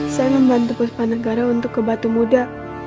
saya membantu puspanegara untuk ke batu muda